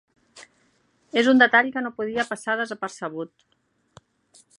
És un detall que no podia passar desapercebut.